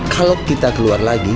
kalau kita keluar lagi